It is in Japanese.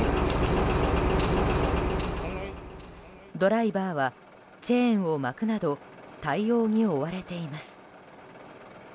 ドライバーはチェーンを巻くなど対応に追われています。